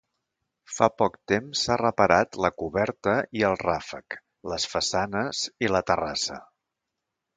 Fa poc temps s'ha reparat la coberta i el ràfec, les façanes i la terrassa.